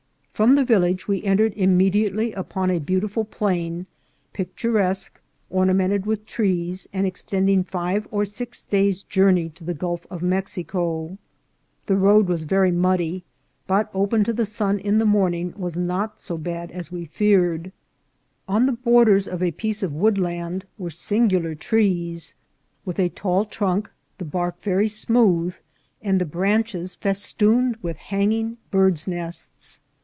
From the village we entered immediately upon a beautiful plain, picturesque, ornamented with trees, and extending five or six days' journey to the Gulf of Mex ico. The road was very muddy, but, open to the sun in the morning, was not so bad as we feared. On the 366 INCIDENTS OF TRAVEL. borders of a piece of woodland were singular trees, with a tall trunk, the bark very smooth, and the branch es festooned with hanging birds' nests.